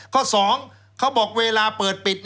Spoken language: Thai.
ข้อสองเขาบอกเวลาเปิดปิด